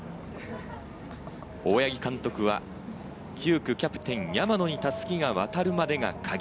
大八木監督は９区キャプテン・山野に襷が渡るまでがカギ。